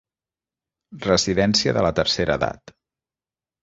Residència de la tercera edat.